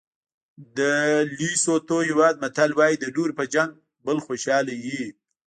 د لېسوتو هېواد متل وایي د نورو په جنګ بل خوشحاله وي.